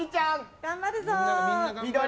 頑張るぞ！